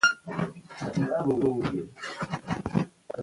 د ډایی کلی ټول شپږ کارېزه درلودل